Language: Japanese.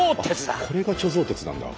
あっこれが貯蔵鉄なんだ！